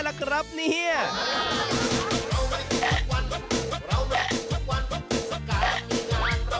แต่ว่าแต่ละคนเนี่ยไม่รู้ว่าตั้งใจมาแข่งกันจริงหรือเปล่านะ